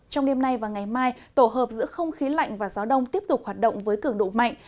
trong đêm nay và ngày mai tổ hợp giữa không khí lạnh và gió đông tiếp tục hoạt động với cường độ mạnh